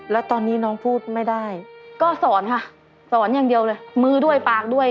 แล้วตอนนี้น้องพูดไม่ได้ก็สอนค่ะสอนอย่างเดียวเลยมือด้วยปากด้วย